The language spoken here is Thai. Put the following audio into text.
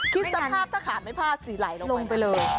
คิดสภาพถ้าขาดไม่พลาดสีไหลลงไปเลย